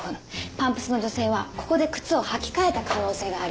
パンプスの女性はここで靴を履き替えた可能性があります。